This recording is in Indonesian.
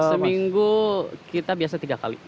seminggu kita biasa tiga kali